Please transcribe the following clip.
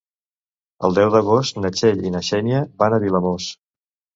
El deu d'agost na Txell i na Xènia van a Vilamòs.